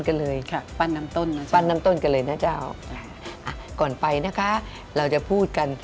กรูผู้สืบสารล้านนารุ่นแรกแรกรุ่นเลยนะครับผม